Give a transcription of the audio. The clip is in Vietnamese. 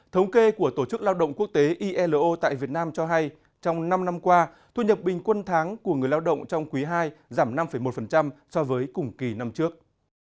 thống kê của tổ chức lao động quốc tế ilo tại việt nam cho hay trong năm năm qua thu nhập bình quân tháng của người lao động trong quý ii giảm năm một so với cùng kỳ năm trước